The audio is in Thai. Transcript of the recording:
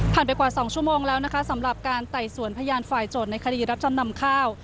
ไปกว่า๒ชั่วโมงแล้วนะคะสำหรับการไต่สวนพยานฝ่ายโจทย์ในคดีรับจำนำข้าว